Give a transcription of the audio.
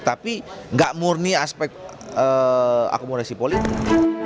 tapi gak murni aspek akomodasi politik